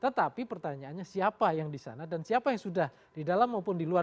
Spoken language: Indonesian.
tetapi pertanyaannya siapa yang di sana dan siapa yang sudah di dalam maupun di luar